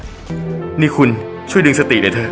นี่คุณช่วยดึงสติในเธอ